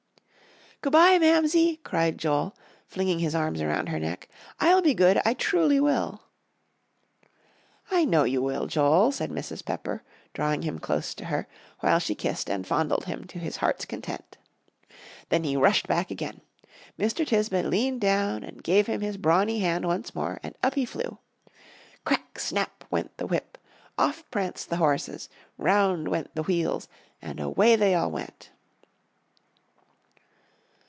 "Good by, Mamsie," cried Joel, flinging his arms around her neck, "I'll be good, I truly will." "I know you will, Joel," said Mrs. Pepper, drawing him close to her, while she kissed and fondled him to his heart's content. Then he rushed back again. Mr. Tisbett leaned down and gave him his brawny hand once more, and up he flew. "Crack! snap!" went the whip off pranced the horses round went the wheels and away they all went!